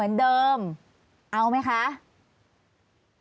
ลุงเอี่ยมอยากให้อธิบดีช่วยอะไรไหม